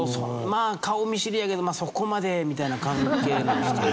まあ顔見知りやけどそこまでみたいな関係なんですかね？